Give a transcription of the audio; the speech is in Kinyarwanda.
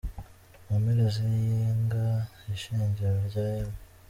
Mu mpera z'iyinga, ishengero rya M.